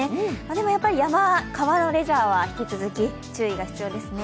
でもやっぱり、山、川のレジャーは引き続き注意が必要ですね。